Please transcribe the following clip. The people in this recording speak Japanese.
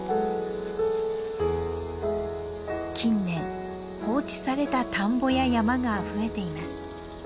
近年放置された田んぼや山が増えています。